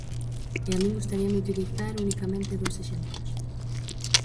E a min gustaríame utilizar unicamente dous exemplos.